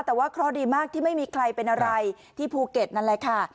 แต่ว่าเคราะห์ดีมากที่ไม่มีใครเป็นอะไรที่ภูเก็ตนั่นแหละค่ะ